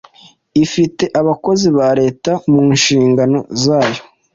ifite abakozi ba leta mu nshingano zayo